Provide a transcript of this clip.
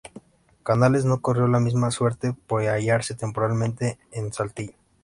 Canales no corrió la misma suerte por hallarse temporalmente en Saltillo.